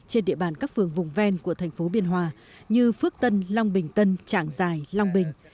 trên địa bàn các phường vùng ven của thành phố biên hòa như phước tân long bình tân trạng giải long bình